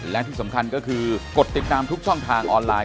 และที่สำคัญก็คือกดติดตามทุกช่องทางออนไลน์